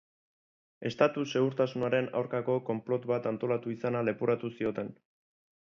Estatu-segurtasunaren aurkako konplot bat antolatu izana leporatu zioten.